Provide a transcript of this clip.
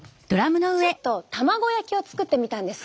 ちょっと卵焼きを作ってみたんです。